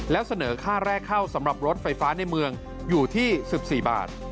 แล้วเสนอค่าแรกเข้าสำหรับรถไฟฟ้าในเมืองอยู่ที่๑๔บาท